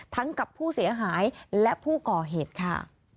กับผู้เสียหายและผู้ก่อเหตุค่ะ